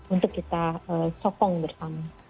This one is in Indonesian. untuk kita sokong bersama